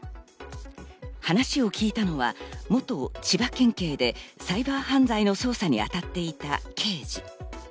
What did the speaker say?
話を聞いたのは元千葉県警でサイバー犯罪の捜査に当たっていた刑事。